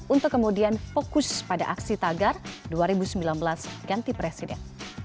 untuk kemudian fokus pada aksi tagar dua ribu sembilan belas ganti presiden